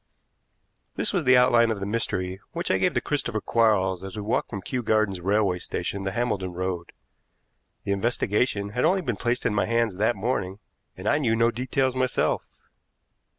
This was the outline of the mystery which I gave to Christopher Quarles as we walked from Kew Gardens Railway Station to Hambledon Road. The investigation had only been placed in my hands that morning, and I knew no details myself.